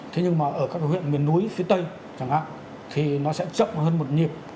thế nhưng mà ở các huyện miền núi phía tây chẳng hạn thì nó sẽ chậm hơn một nhịp